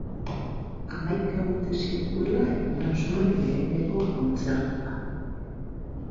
Hamaika urte zituela eman zuen lehenengo kontzertua.